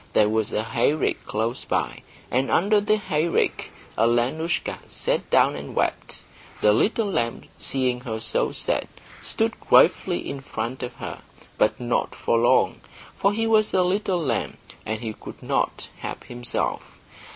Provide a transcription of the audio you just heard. There was a hayrick close by, and under the hayrick Alenoushka sat down and wept. The little lamb, seeing her so sad, stood gravely in front of her; but not for long, for he was a little lamb, and he could not help himself.